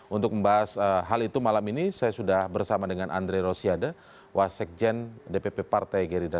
untuk membahas hal itu malam ini saya sudah bersama dengan andre rosiade wasekjen dpp partai gerindra